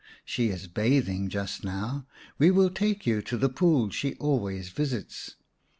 She is bathing just now, we will take you to the pool she always visits.